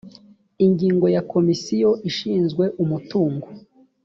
ingingo ya komisiyo ishinzwe umutungo